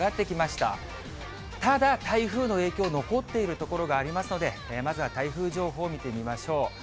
ただ台風の影響、残っている所がありますので、まずは台風情報見てみましょう。